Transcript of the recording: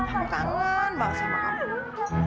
kamu kangen mau sama kamu